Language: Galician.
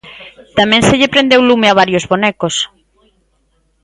Tamén se lle prendeu lume a varios bonecos.